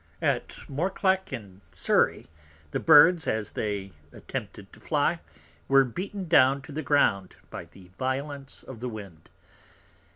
At Moreclack in Surry, the Birds, as they attempted to fly, were beaten down to the Ground by the Violence of the Wind.